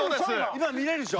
今見れるでしょ？